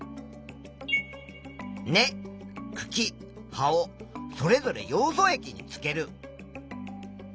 根くき葉をそれぞれヨウ素液につける。